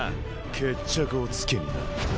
決着をつけにな。